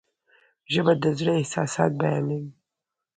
ژبه د زړه احساسات بیانوي.